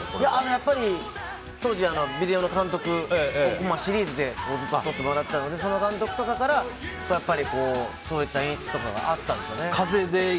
やっぱり、当時ビデオの監督にシリーズでずっと撮ってもらってたのでその監督とかからそういった演出とかがあったんですよね。